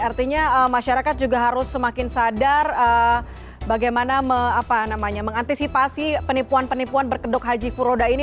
artinya masyarakat juga harus semakin sadar bagaimana mengantisipasi penipuan penipuan berkedok haji furoda ini